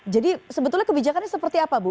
jadi sebetulnya kebijakannya seperti apa bu